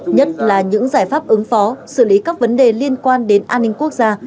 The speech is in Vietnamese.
nhất là những giải pháp ứng phó xử lý các vấn đề liên quan đến an ninh quốc gia